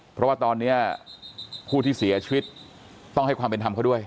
เพราะว่าตอนนี้ผู้ที่เสียชีวิตต้องให้ความเป็นธรรมเขาด้วย